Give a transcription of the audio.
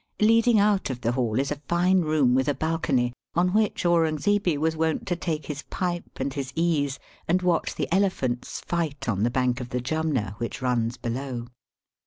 Leading out of the hall is a fine room with a balcony, on which Aurungzebe was wont to take his pipe and his ease, and watch the elephants fight on the bank of the Jumna which runs below.